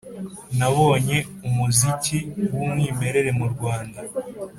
nabonye, umuziki w’umwimerere mu rwanda.